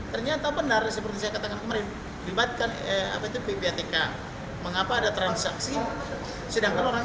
ternyata benar seperti katakan kemarin ribatkan apa itu pptk mengapa ada transaksi sedangkan orang